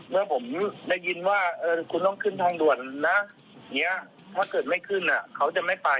ผมได้ยินว่าคุณต้องขึ้นทางด่วนนะถ้าเกิดไม่ขึ้นเขาจะไม่ไป